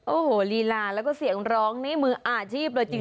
โอ้โหลีลาแล้วก็เสียงร้องนี่มืออาชีพเลยจริง